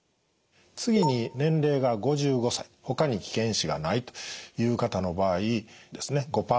次に年齢が５５歳ほかに危険因子がないという方の場合ですね